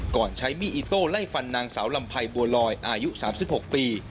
ใช้มีดอิโต้ไล่ฟันนางสาวลำไยบัวลอยอายุ๓๖ปี